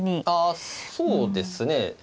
あそうですね。